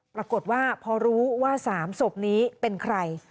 ปรากฏว่าพอรู้ว่า๓ศพนี้เป็นใคร